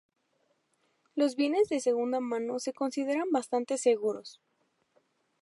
Los bienes de segunda mano se consideran bastante seguros.